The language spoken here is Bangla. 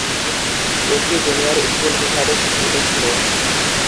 একটি জুনিয়র স্কুল হিসাবে স্বীকৃত ছিল।